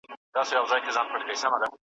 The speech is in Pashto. په شریعت کي د فقیرانو حق ثابت دی.